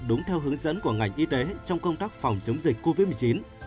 đúng theo hướng dẫn của ngành y tế trong công tác phòng chống dịch covid một mươi chín